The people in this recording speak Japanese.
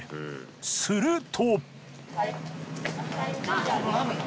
すると。